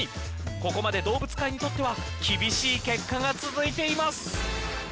ここまで動物界にとっては厳しい結果が続いています。